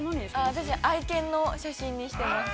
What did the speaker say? ◆私、愛犬の写真にしてます。